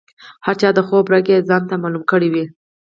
هر چا د خوب رګ یې ځانته معلوم کړی وي.